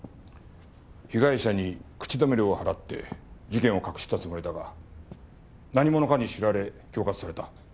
被害者に口止め料を払って事件を隠したつもりだが何者かに知られ恐喝された。